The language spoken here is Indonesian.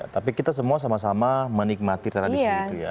tapi kita semua sama sama menikmati tradisi itu ya